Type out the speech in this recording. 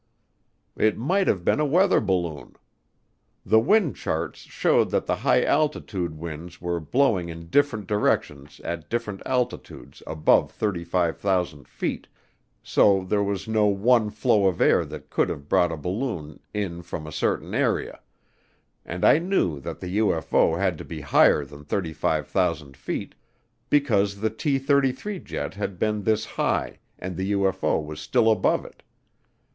It might have been a weather balloon. The wind charts showed that the high altitude winds were blowing in different directions at different altitudes above 35,000 feet, so there was no one flow of air that could have brought a balloon in from a certain area, and I knew that the UFO had to be higher than 35,000 feet because the T 33 jet had been this high and the UFO was still above it.